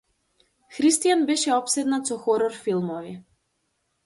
Христијан беше опседнат со хорор филмови.